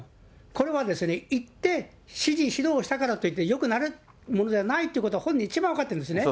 これは行って指示、指導したからといってよくなるものではないということは本人一番分かってるんですね。